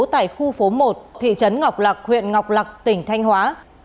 tại khu phố một thị trấn ngọc lạc huyện ngọc lạc tỉnh thanh hóa